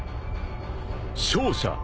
［勝者］